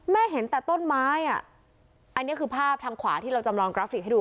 เห็นแต่ต้นไม้อ่ะอันนี้คือภาพทางขวาที่เราจำลองกราฟิกให้ดู